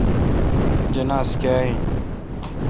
جناز کاں این۔